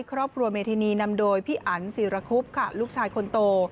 ครอบครัวเมธินีนำโดยพี่อันศิรคุบค่ะลูกชายคนโต